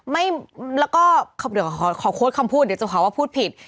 ไม่แล้วก็เดี๋ยวขอโค้ดคำพูดเดี๋ยวจะขอว่าพูดผิด